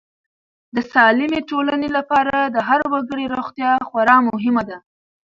د سالمې ټولنې لپاره د هر وګړي روغتیا خورا مهمه ده.